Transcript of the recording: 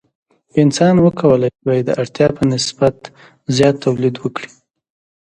انسان وکولی شوای د اړتیا په نسبت زیات تولید وکړي.